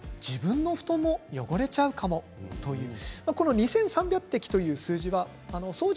２３００滴という数字は掃除